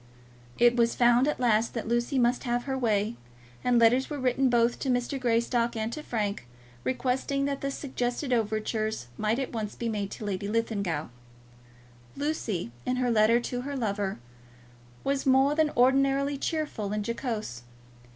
It was found at last that Lucy must have her way, and letters were written both to Mrs. Greystock and to Frank, requesting that the suggested overtures might at once be made to Lady Linlithgow. Lucy, in her letter to her lover, was more than ordinarily cheerful and jocose.